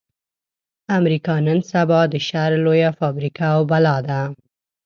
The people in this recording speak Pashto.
امريکا نن سبا د شر لويه فابريکه او بلا ده.